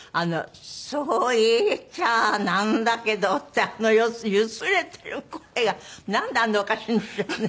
「そう言っちゃなんだけど」って揺すれてる声がなんであんなおかしいんでしょうね。